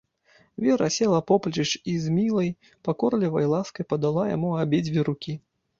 Вера села поплеч і з мілай, пакорлівай ласкай падала яму абедзве рукі.